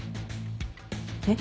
えっ？